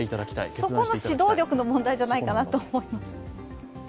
そこの指導力の問題じゃないかなと思うんです。